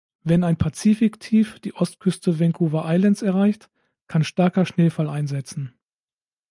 Wenn ein Pazifik-Tief die Ostküste Vancouver Islands erreicht, kann starker Schneefall einsetzen.